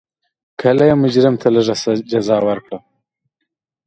کله یې مجرم ته لږه جزا ورکړه.